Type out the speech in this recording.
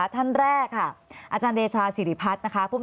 ท่านแรกค่ะอเดชาศิริพัฒน์ภูมิ